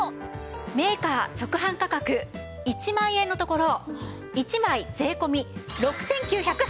メーカー直販価格１万円のところ１枚税込６９８０円です。